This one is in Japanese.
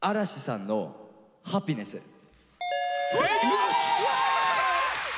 よし！